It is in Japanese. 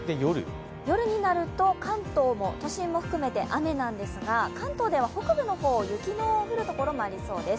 夜になると関東も、都心も含めて雨なんですが、関東では北部の方、雪の降る所もありそうです。